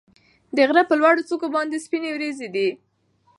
د غره په لوړو څوکو باندې سپینې وريځې دي.